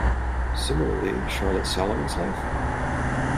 Similarly, Charlotte Salomon's Life?